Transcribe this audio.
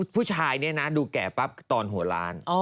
ผู้ชายเนี่ยนะดูแก่ปั๊บตอนหัวล้าน